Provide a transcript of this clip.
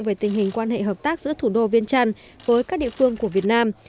về tình hình quan hệ hợp tác giữa thủ đô viên trăn với các địa phương của việt nam